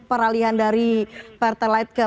peralihan dari pertalaid ke